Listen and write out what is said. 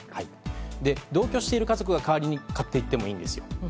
同居している家族が代わりに買っていってもいいんです。